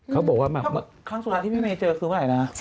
เขาบอกว่ามากมากครั้งสุดท้ายที่พี่เมย์เจอคือเวลาไหนนะ